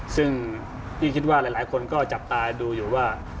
ซึ่งพี่คิดว่าหลายคนก็จับตาดูอยู่ว่า